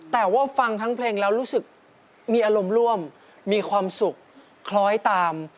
แต่ว่าฟังทั้งเพลงแล้วรู้สึกมีอารมณ์ร่วมมีความสุขคล้อยตาม